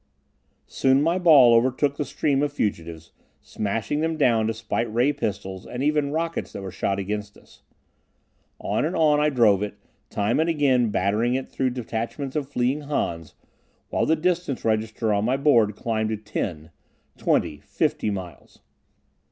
Soon my ball overtook the stream of fugitives, smashing them down despite ray pistols and even rockets that were shot against it. On and on I drove it, time and again battering it through detachments of fleeing Hans, while the distance register on my board climbed to ten, twenty, fifty miles.